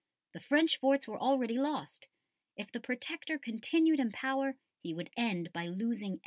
The French forts were already lost. If the Protector continued in power he would end by losing everything.